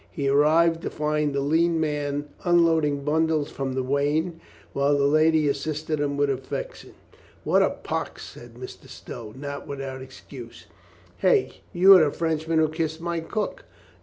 He arrived to find the lean man unloading bundles from the wain, while the lady assisted him with affection. "What a pox !" said Mr. Stow, not without excuse. "Hey, you are the Frenchman who kissed my cook."